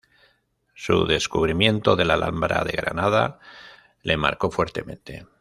Su descubrimiento de la Alhambra de Granada le marcó fuertemente.